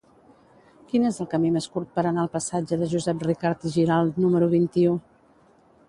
Quin és el camí més curt per anar al passatge de Josep Ricart i Giralt número vint-i-u?